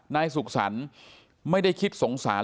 นายสุขสรรค์ไม่ได้คิดสงสาร